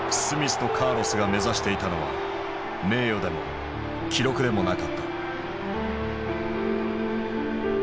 スミスとカーロスが目指していたのは名誉でも記録でもなかった。